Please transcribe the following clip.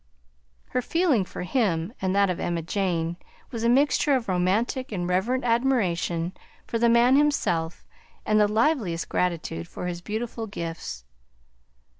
Her feeling for him, and that of Emma Jane, was a mixture of romantic and reverent admiration for the man himself and the liveliest gratitude for his beautiful gifts.